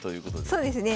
そうですね。